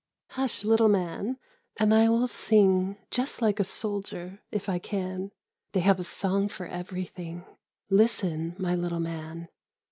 " Hush, little man, and I will sing Just like a soldier, if I can ; They have a song for everything. Listen, my little man!